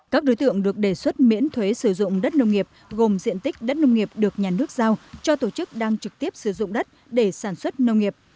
các đối tượng được đề xuất miễn thuế sử dụng đất nông nghiệp gồm diện tích đất nông nghiệp được nhà nước giao cho tổ chức đang trực tiếp sử dụng đất để sản xuất nông nghiệp